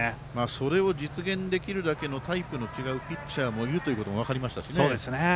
それを実現できるだけのタイプの違うピッチャーもいるということも分かりましたしね。